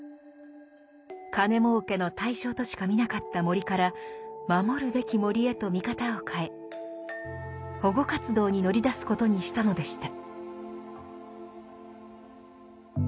金もうけの対象としか見なかった森から守るべき森へと見方を変え保護活動に乗り出すことにしたのでした。